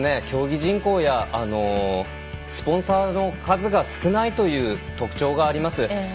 競技人口やスポンサーの数が少ないという特徴があります。